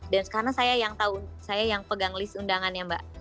dan karena saya yang pegang list undangannya mbak